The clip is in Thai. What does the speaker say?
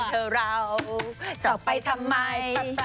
สุขกันเธอเราจะไปทำไม